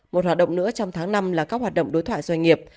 một hoạt động nữa trong tháng năm là các hoạt động đối thoại doanh nghiệp